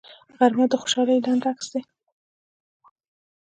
غرمه د خوشحالۍ لنډ عکس دی